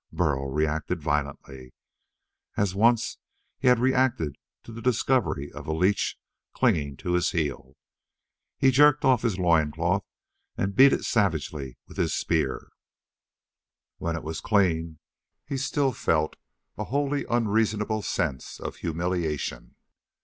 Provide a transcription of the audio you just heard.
Burl reacted violently as once he had reacted to the discovery of a leech clinging to his heel. He jerked off his loin cloth and beat it savagely with his spear. When it was clean, he still felt a wholly unreasonable sense of humiliation.